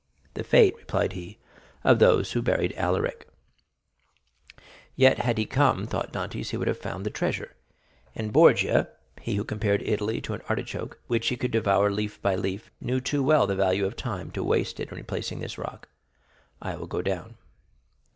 "The fate," replied he, smiling, "of those who buried Alaric, and were interred with the corpse." "Yet, had he come," thought Dantès, "he would have found the treasure, and Borgia, he who compared Italy to an artichoke, which he could devour leaf by leaf, knew too well the value of time to waste it in replacing this rock. I will go down."